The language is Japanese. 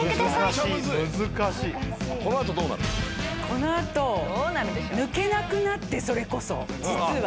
この後抜けなくなってそれこそ実は。